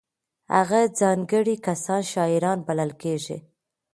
هغه ځانګړي کسان شاعران بلل کېږي.